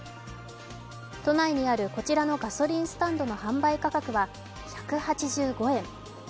都内にある、こちらのガソリンスタンドの販売価格は１８５円。